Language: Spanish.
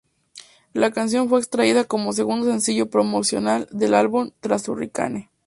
La canción fue extraída como segundo sencillo promocional del álbum, tras "Hurricane".